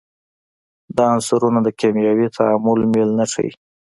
دا عنصرونه د کیمیاوي تعامل میل نه ښیي.